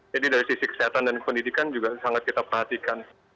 dari sisi kesehatan dan pendidikan juga sangat kita perhatikan